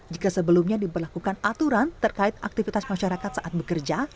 jika sebelumnya diberlakukan aturan terkait aktivitas masyarakat saat bekerja